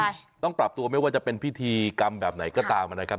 ใช่ต้องปรับตัวไม่ว่าจะเป็นพิธีกรรมแบบไหนก็ตามนะครับ